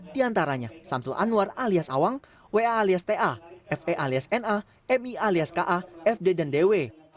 di antaranya samsul anwar alias awang wa alias ta fe alias na mi alias ka fd dan dw